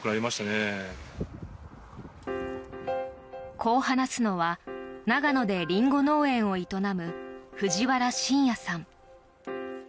こう話すのは長野でリンゴ農園を営む藤原新哉さん。